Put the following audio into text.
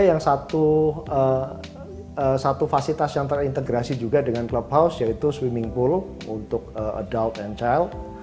yang satu fasilitas yang terintegrasi juga dengan clubhouse yaitu swimming pool untuk adown and chile